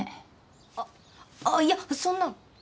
あっああいやそんな！